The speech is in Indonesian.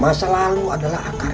masa lalu adalah akarnya